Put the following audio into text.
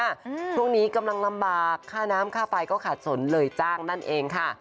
ช่วงนี้กำลังลำบากค่าน้ำค่าไฟก็ขาดสนเลยจ้างนั่นเองค่ะ